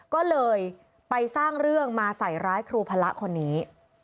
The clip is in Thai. ก็เลยไปสร้างเรื่องมาใส่ร้ายครูพระคนนี้